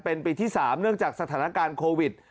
เป็นปีที่๓เนื่องจากสถานการณ์โควิด